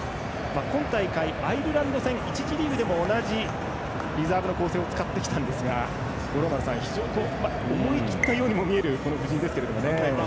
今大会、アイルランド戦１次リーグでも同じリザーブの構成を使ってきたんですが思い切ったように見える布陣ですけどね。